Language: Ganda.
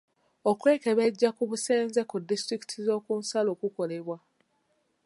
Okwekebeja ku busenze ku disitulikiti z'okunsalo kukolebwa.